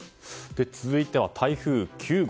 続いて台風９号